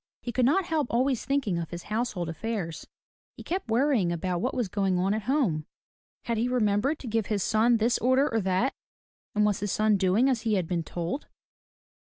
He could not help always thinking of his household affairs. He kept worrying about what was going on at home. Had he remembered to give his son this order or that? And was his son doing as he had been told?